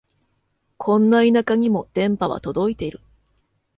こんな田舎にも電波は届いてる